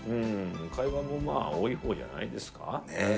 会話もまあ、多いほうじゃないですか。